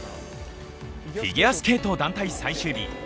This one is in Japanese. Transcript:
フィギュアスケート団体最終日。